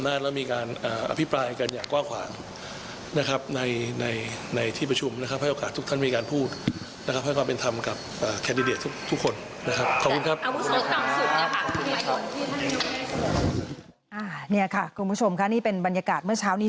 นี่ค่ะคุณผู้ชมค่ะนี่เป็นบรรยากาศเมื่อเช้านี้